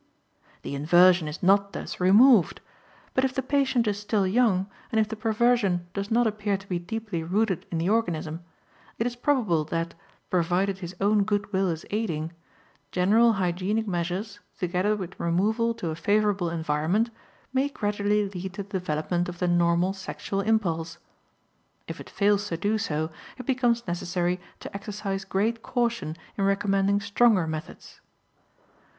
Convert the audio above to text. The inversion is not thus removed. But if the patient is still young, and if the perversion does not appear to be deeply rooted in the organism, it is probable that provided his own good will is aiding general hygienic measures, together with removal to a favorable environment, may gradually lead to the development of the normal sexual impulse. If it fails to do so, it becomes necessary to exercise great caution in recommending stronger methods.